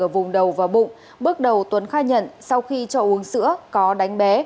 ở vùng đầu và bụng bước đầu tuấn khai nhận sau khi cho uống sữa có đánh bé